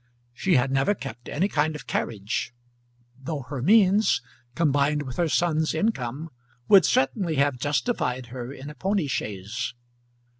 She had never kept any kind of carriage, though her means, combined with her son's income, would certainly have justified her in a pony chaise.